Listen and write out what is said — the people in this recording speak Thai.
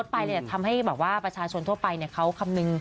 ภาพง่ายทำให้บอกว่าประชาชนทั่วไปก็คำนึง